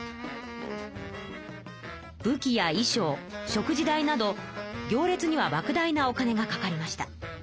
武器や衣しょう食事代など行列にはばく大なお金がかかりました。